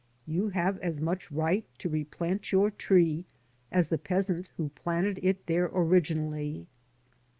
You have as much right to replant your tree as the peasant who planted it there originally.